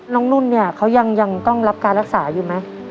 นุ่นเนี่ยเขายังต้องรับการรักษาอยู่ไหม